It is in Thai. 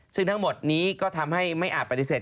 ซึ่งทั้งหมดนี้ก็ทำให้ไม่อาจปฏิเสธ